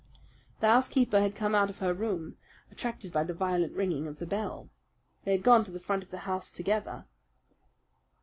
The housekeeper had come out of her room, attracted by the violent ringing of the bell. They had gone to the front of the house together.